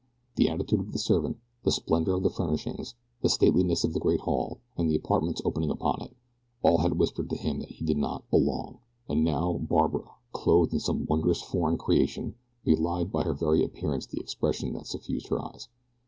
The attitude of the servant, the splendor of the furnishings, the stateliness of the great hall, and the apartments opening upon it all had whispered to him that he did not "belong." And now Barbara, clothed in some wondrous foreign creation, belied by her very appearance the expression that suffused her eyes.